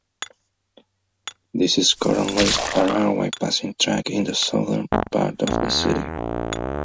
This is currently a railway passing-track in the southern part of the city.